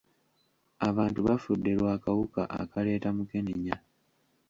Abantu bafudde lwa kawuka akaleeta mukenenya.